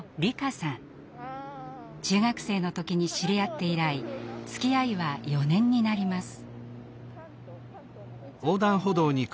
中学生の時に知り合って以来つきあいは４年になります。